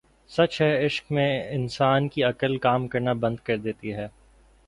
سچ ہے عشق میں انسان کی عقل کام کرنا بند کر دیتی ہے